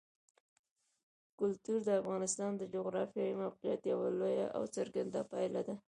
کلتور د افغانستان د جغرافیایي موقیعت یوه لویه او څرګنده پایله ده.